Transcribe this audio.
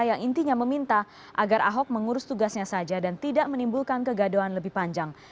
yang intinya meminta agar ahok mengurus tugasnya saja dan tidak menimbulkan kegaduhan lebih panjang